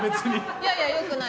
いやいや、良くない。